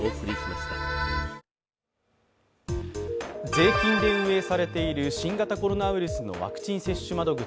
税金で運営されている新型コロナウイルスのワクチン接種窓口